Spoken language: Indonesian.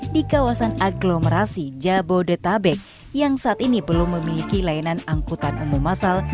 di kawasan aglomerasi jabodetabek yang saat ini belum memiliki layanan angkutan umum masal